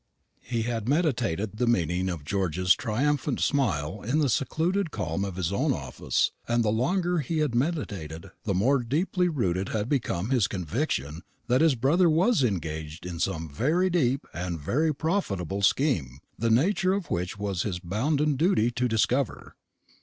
He had meditated the meaning of George's triumphant smile in the secluded calm of his own office; and the longer he had meditated, the more deeply rooted had become his conviction that his brother was engaged in some very deep and very profitable scheme, the nature of which it was his bounden duty to discover.